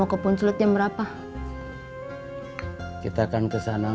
oh ini dia